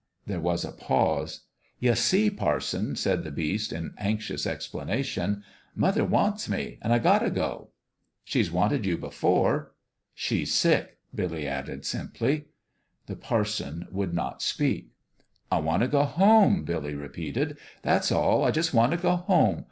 There was a pause. "Ye see, parson," said the Beast, in anxious explanation, "mother wants me, an' I got t' go." " She's wanted you before." " She's sick," Billy added, simply. The parson would not speak. " I want t' go home," Billy repeated. " That's all. I jus' want t' go home.